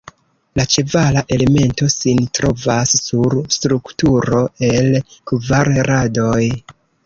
La ĉevala elemento sin trovas sur strukturo el kvar radoj.